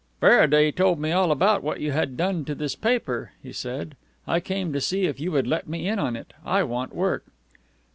"Faraday told me all about what you had done to this paper," he said. "I came to see if you would let me in on it. I want work."